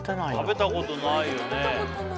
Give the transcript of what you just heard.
食べたことない